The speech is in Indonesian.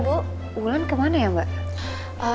mbak wulan kemana ya mbak